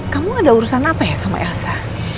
kamu ada urusan apa ya sama elsa